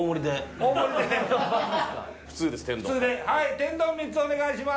天丼３つお願いします。